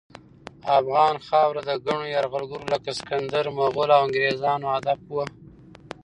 افغان خاوره د ګڼو یرغلګرو لکه سکندر، مغل، او انګریزانو هدف وه.